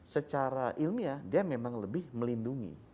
secara ilmiah dia memang lebih melindungi